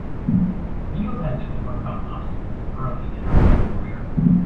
Field had to overcome obstacles early in her film career.